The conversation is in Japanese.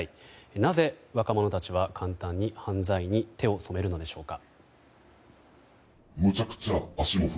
なぜ若者たちは簡単に手を染めるのでしょうか。